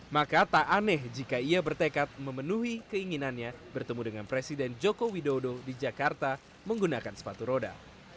maka tak aneh jika ia bertekad memenuhi keinginannya bertemu dengan presiden joko widodo di jakarta menggunakan sepatu roda